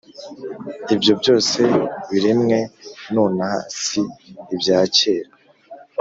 Ibyo byose biremwe nonaha si ibyakera